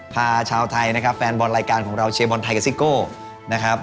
พาชาวไทยนะครับแฟนบอลรายการของเราเชียร์บอลไทยกับซิโก้นะครับ